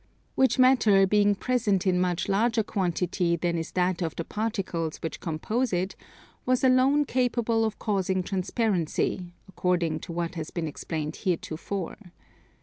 Which matter, being present in much larger quantity than is that of the particles which compose it, was alone capable of causing transparency, according to what has been explained heretofore.